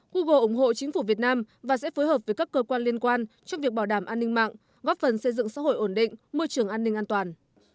google ủng hộ chính phủ việt nam và sẽ phối hợp với các cơ quan liên quan trong việc bảo đảm an ninh mạng góp phần xây dựng xã hội ổn định môi trường an ninh an toàn